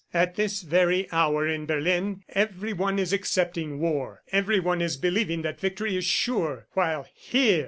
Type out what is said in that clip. "At this very hour in Berlin, everyone is accepting war, everyone is believing that victory is sure, while HERE!